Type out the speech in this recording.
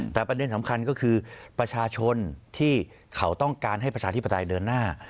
แต่ประเด็นสำคัญก็คือประชาชนที่เขาต้องการให้ประชาธิปไตยเดินหน้า